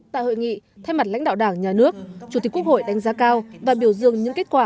tại hội nghị thay mặt lãnh đạo đảng nhà nước chủ tịch quốc hội đánh giá cao và biểu dương những kết quả